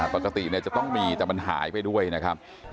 จะต้องมีแต่มันหายไปด้วยนะครับ